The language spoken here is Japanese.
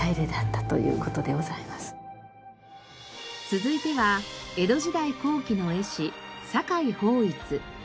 続いては江戸時代後期の絵師酒井抱一。